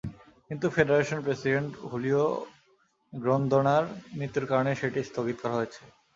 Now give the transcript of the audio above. কিন্তু federation president Julio গ্রন্দোনার মৃত্যুর কারণে সেটি স্থগিত করা হয়েছে।